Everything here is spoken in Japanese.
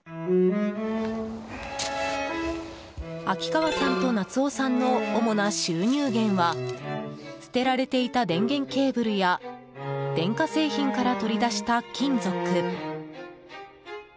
秋川さんと夏夫さんの主な収入源は捨てられていた電源ケーブルや電化製品から取り出した金属。